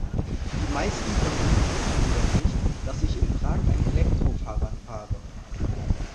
Die meisten von Ihnen wissen jedoch nicht, dass ich in Prag ein Elektrofahrrad fahre.